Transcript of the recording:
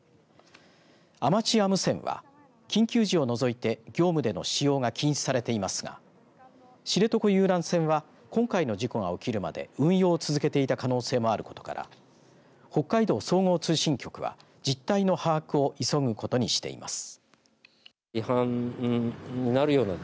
アマチュア無線は緊急時を除いて業務での使用が禁止されていますが知床遊覧船は今回の事故が起きるまで運用を続けていた可能性もあることから北海道総合通信局は実態の把握を急ぐことにしています。